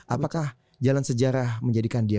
apakah jalan sejarah menjadikan dia